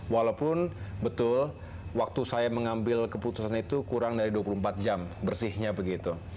walaupun betul waktu saya mengambil keputusan itu kurang dari dua puluh empat jam bersihnya begitu